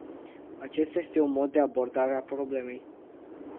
Acesta este un mod de abordare a problemei.